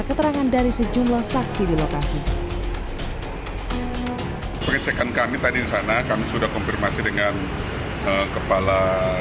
keterangan dari sejumlah saksi di lokasi pengecekan kami tadi di sana kami sudah konfirmasi dengan kepala